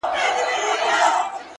گلاب دی!! گل دی!! زړه دی د چا!!